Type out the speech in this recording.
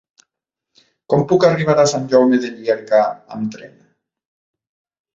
Com puc arribar a Sant Jaume de Llierca amb tren?